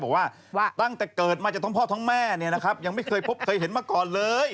ว่าตั้งแต่เกิดมาจากท้องพ่อท้องแม่ยังไม่เคยพบเคยเห็นมาก่อนเลย